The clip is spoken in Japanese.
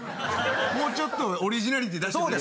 もうちょっとオリジナリティー出してくれ。